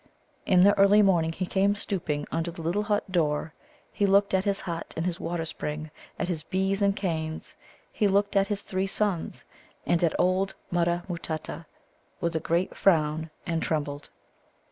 In the early morning he came stooping under the little hut door. He looked at his hut and his water spring, at his bees and canes; he looked at his three sons, and at old Mutta matutta, with a great frown, and trembled.